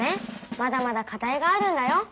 まだまだ課題があるんだよ。